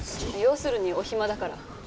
要するにお暇だから？